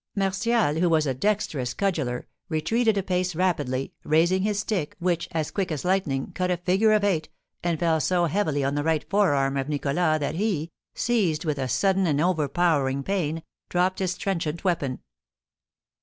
Martial, who was a dexterous cudgeller, retreated a pace rapidly, raising his stick, which, as quick as lightning, cut a figure of eight, and fell so heavily on the right forearm of Nicholas that he, seized with a sudden and overpowering pain, dropped his trenchant weapon.